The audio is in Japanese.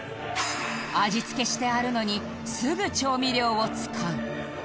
味付けしてあるのにすぐ調味料を使う